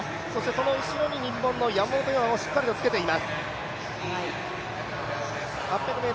その後ろに日本の山本有真もしっかりとつけています。